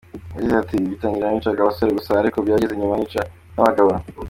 Yagize ati “bigitangira nicaga abagore gusa ariko byageze nyuma nica n’abagabo.